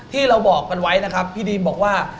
ที่เราบอกกันไว้นะครับพี่ดีนบอกว่า